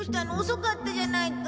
遅かったじゃないか。